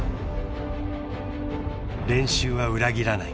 ［練習は裏切らない］